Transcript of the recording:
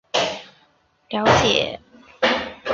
了凡四训正是袁要给儿子的训示。